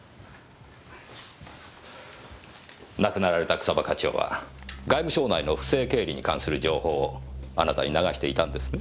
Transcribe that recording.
亡くなられた草葉課長は外務省内の不正経理に関する情報をあなたに流していたんですね。